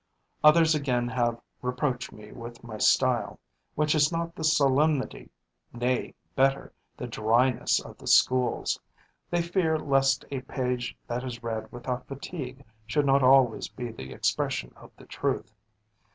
Others again have reproached me with my style, which has not the solemnity, nay, better, the dryness of the schools. They fear lest a page that is read without fatigue should not always be the expression of the truth.